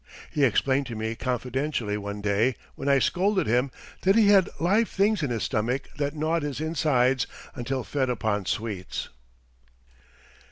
He explained to me confidentially one day, when I scolded him, that he had live things in his stomach that gnawed his insides until fed upon sweets.